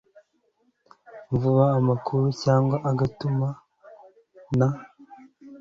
vuba amakuru cyangwa agatuma nta